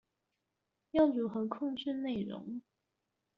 要如何控制内容